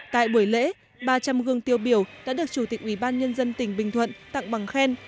tại buổi lễ ba trăm linh gương tiêu biểu đã được chủ tịch ubnd tỉnh bình thuận tặng bằng khen